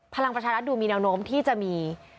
ภารกิจรัฐดูมีนามโน้มที่จะมี